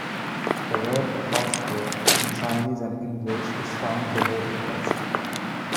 The word "Passport" in Chinese and English is found below the crest.